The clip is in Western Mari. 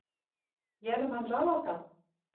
Йӓлӹм анжалатат